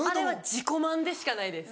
自己満でしかないです